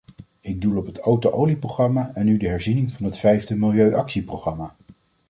Ik doel op het auto-olieprogramma en nu de herziening van het vijfde milieuactieprogramma.